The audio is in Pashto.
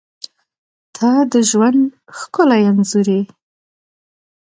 • ته د ژوند ښکلی انځور یې.